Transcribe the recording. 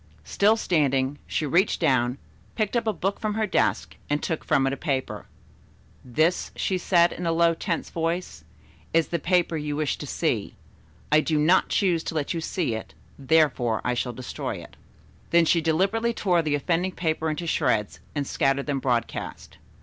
Still standing, she reached down, picked up a book from her desk and took from it a paper. "This," she said, in a low tense voice, "is the paper you wish to see. I do not choose to let you see it, therefore I shall destroy it." [Illustration: "I Do Not Choose to Let You See This Paper."] Then she deliberately tore the offending paper into shreds and scattered them broadcast.